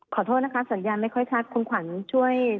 ขอโทษนะคะสัญญาณไม่ค่อยชัดคุณขวัญช่วย